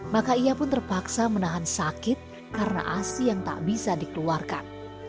maka ia pun terpaksa menahan sakit karena asi yang tak bisa dikeluarkan